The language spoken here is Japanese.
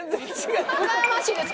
うらやましいです。